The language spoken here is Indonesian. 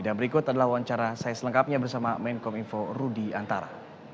dan berikut adalah wawancara saya selengkapnya bersama mencom info rudi antara